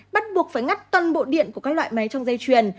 bắt buộc phải ngắt toàn bộ điện của các loại máy trong dây chuyền